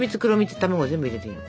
卵全部を入れていいの。